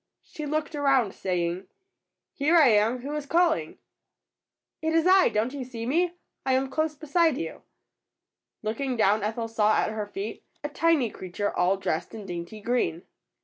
She looked around, saying, "Here I am; who is calling?^^ "It is I. DonT you see me? I am close beside you.^' Looking down Ethel saw at her feet a tiny 122 ETHEL'S FRIENDS. creature all dressed in dainty green.